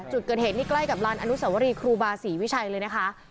จุดเกิดเหตุนี่ใกล้กับลานอนุสวรีครูบาศรีวิชัยเลยนะคะ